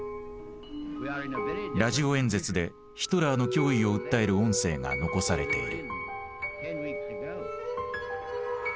ラジオ演説でヒトラーの脅威を訴える音声が残されている。